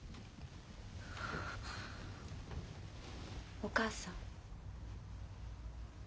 お母さん。